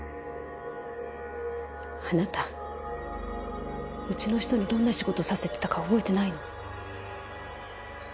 あなたうちの人にどんな仕事させてたか覚えてないの？